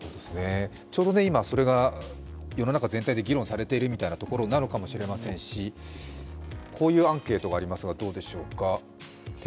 ちょうどそれが世の中全体で議論されているところなのかもしれませんし、こういうアンケートがありますが、どうでしょうか。